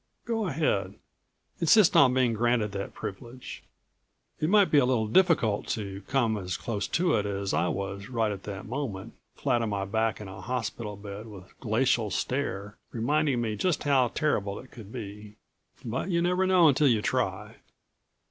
Go ahead, insist on being granted that privilege. It might be a little difficult to come as close to it as I was right at that moment, flat on my back in a hospital bed with Glacial Stare reminding me just how terrible it could be. But you never know until you try.